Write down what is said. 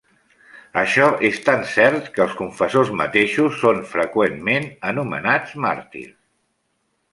Això és tan cert que els confessors mateixos són freqüentment anomenats màrtirs.